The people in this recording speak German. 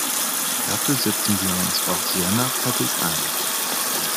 Dafür setzen wir uns auch sehr nachhaltig ein.